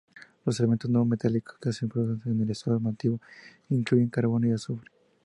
Los elementos no-metálicos que se producen en el estado nativo incluyen carbono y azufre.